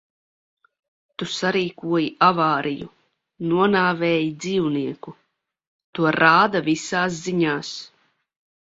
Tu sarīkoji avāriju, nonāvēji dzīvnieku. To rāda visās ziņās.